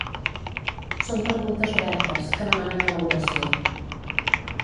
Són preguntes obertes, que demanen elaboració.